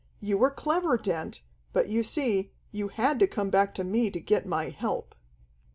You were clever, Dent, but you see, you had to come back to me to get my help."